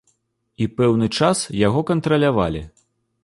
І пэўны час яго кантралявалі.